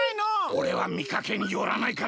おれはみかけによらないからな。